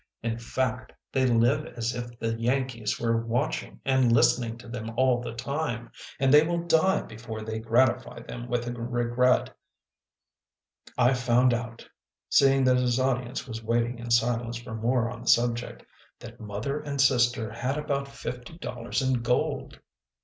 In fact, they live as if the Yankees were watching and listening to them all the time, and they will die before they gratify them with a regret. I found out," seeing that his audience was waiting in silence for more on the subject, " that Mother and Sister had about fifty dollars in gold."